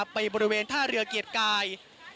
บริเวณท่าเรือเกียรติกาย